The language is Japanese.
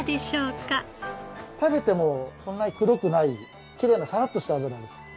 食べてもそんなにくどくないきれいなサラッとした脂です。